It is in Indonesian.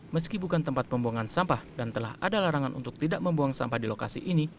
meski bukan tempat pembuangan sampah dan telah ada larangan untuk tidak membuang sampah di lokasi ini